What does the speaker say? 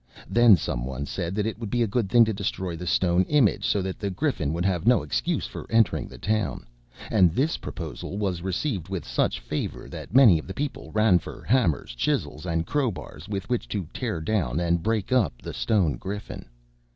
Then some one said that it would be a good thing to destroy the stone image so that the Griffin would have no excuse for entering the town; and this proposal was received with such favor that many of the people ran for hammers, chisels, and crowbars, with which to tear down and break up the stone griffin.